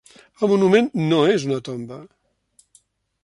El monument no és una tomba.